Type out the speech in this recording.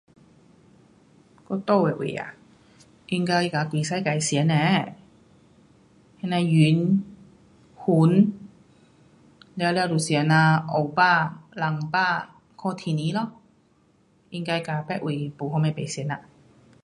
我住的位啊，应该跟几世纪一同呢。那样云，云，了了都祥呐，黑白，蓝白看天气咯，应该跟别位没什么不同啦。